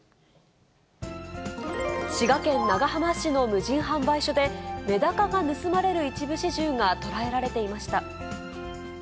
滋賀県長浜市の無人販売所で、メダカが盗まれる一部始終が捉えられていました。